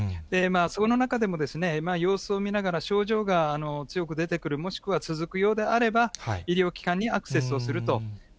その中でも、様子を見ながら、症状が強く出てくる、もしくは続くようであれば、医療機関にアクセスをすると。